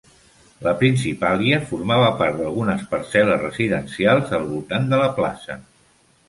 La "principalia" formava part d'algunes parcel·les residencials al voltant de la plaça.